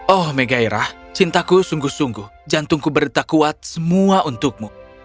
oh megairah cintaku sungguh sungguh jantungku berdetak kuat semua untukmu